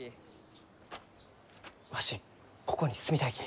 わしここに住みたいき。